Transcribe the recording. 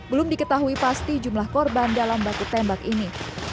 belum diketahui pasti jumlah korban dalam batu tembak ini